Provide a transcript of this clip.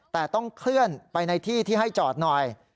แต่ต้องเคลื่อนไปในที่ที่ให้จอดหน่อย